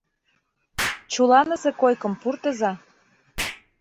— Чуланысе койкым пуртыза.